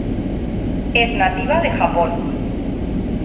Es nativa de Japón.